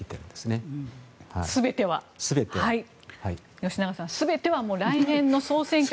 吉永さん、全ては来年の総選挙